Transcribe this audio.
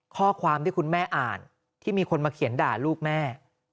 ข้อความที่คุณแม่อ่านที่มีคนมาเขียนด่าลูกแม่